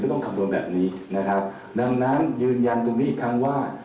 ต้องคำนวณแบบนี้นะครับดังนั้นยืนยันตรงนี้อีกครั้งว่า